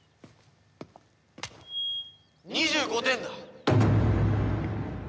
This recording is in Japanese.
２５点だ！